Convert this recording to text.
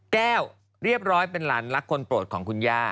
แก้วเรียบร้อยเป็นหลานรักคนโปรดของคุณย่า